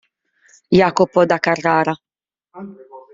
Jacopo da Carrara